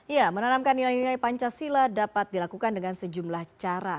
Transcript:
ya menanamkan nilai nilai pancasila dapat dilakukan dengan sejumlah cara